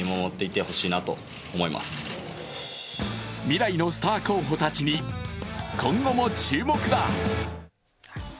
未来のスター候補たちに今後も注目だ。